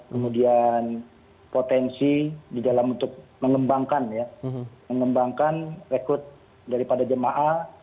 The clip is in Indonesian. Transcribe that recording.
kemudian potensi di dalam untuk mengembangkan ya mengembangkan rekrut daripada jemaah